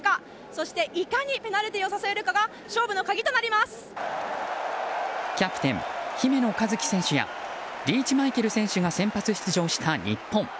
そして、いかにペナルティーを誘えるかがキャプテン、姫野和樹選手やリーチマイケル選手が先発出場した日本。